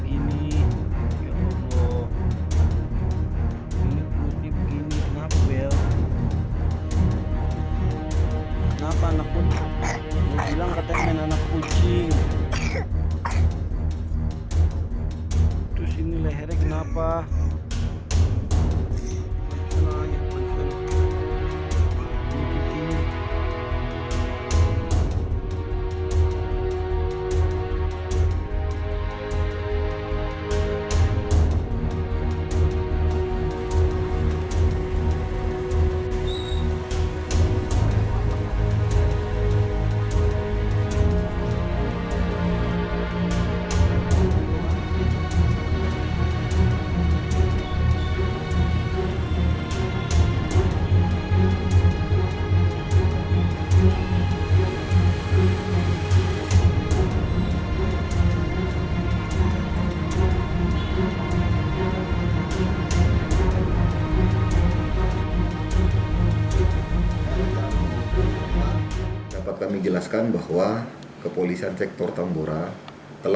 ini ya allah ini putih begini kenapa bel